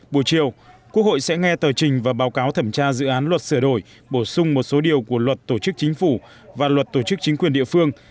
buổi chiều quốc hội sẽ nghe tờ trình và báo cáo thẩm tra dự án luật sửa đổi bổ sung một số điều của luật tổ chức chính phủ và luật tổ chức chính quyền địa phương